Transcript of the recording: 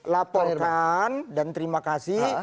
laporkan dan terima kasih